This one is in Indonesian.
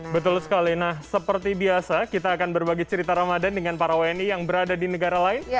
betul sekali nah seperti biasa kita akan berbagi cerita ramadan dengan para wni yang berada di negara lain